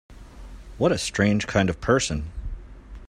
What a strange kind of person!